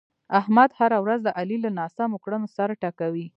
احمد هره ورځ د علي له ناسمو کړنو سر ټکوي.